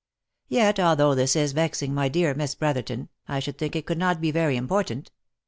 Yet, although this is vexing, my dear Miss Brotherton, I should think it could not be very important.